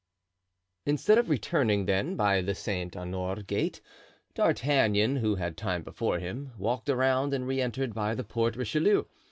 Instead of returning, then, by the Saint Honore gate, D'Artagnan, who had time before him, walked around and re entered by the Porte Richelieu.